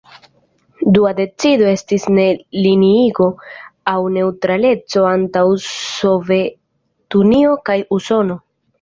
Dua decido estis "Ne-Liniigo" aŭ neŭtraleco antaŭ Sovetunio kaj Usono.